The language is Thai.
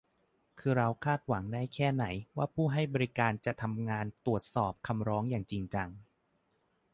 คือเราคาดหวังได้แค่ไหนว่าผู้ให้บริการจะทำงานตรวจสอบคำร้องจริงจัง